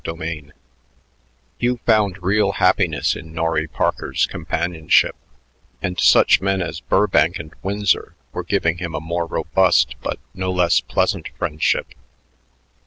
CHAPTER XIX Hugh found real happiness in Norry Parker's companionship, and such men as Burbank and Winsor were giving him a more robust but no less pleasant friendship.